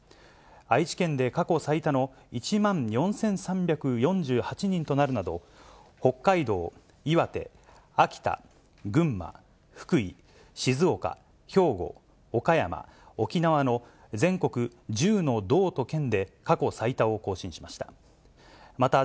愛知県で過去最多の１万４３４８人となるなど、北海道、岩手、秋田、群馬、福井、静岡、兵庫、岡山、沖縄の全国１０の道と県で、過去最多を更新しました。